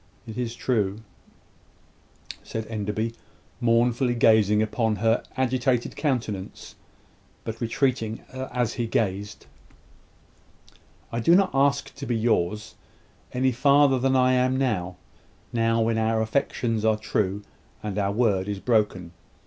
"It is true," said Enderby, mournfully gazing upon her agitated countenance, but retreating as he gazed. "I do not ask to be yours, any farther than I am now now when our affections are true, and our word is broken.